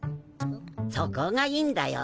そこがいいんだよ。